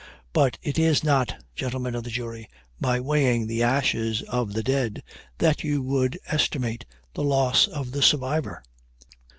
But it is not, gentlemen of the jury, by weighing the ashes of the dead that you would estimate the loss of the survivor.